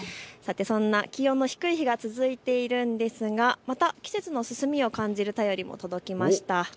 そんな気温の低い日が続いていますがまた季節の進みを感じる便りも届きました。